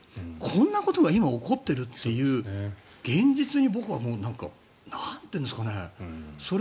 こんなことを今やっている現実に僕はなんていうんですかね。